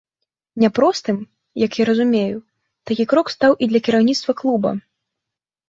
Няпростым, як я разумею, такі крок стаў і для кіраўніцтва клуба.